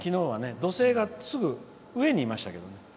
土星が、すぐ上にいましたけどね。